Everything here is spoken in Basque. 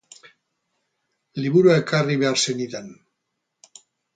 Liburua ekarri behar zenidan.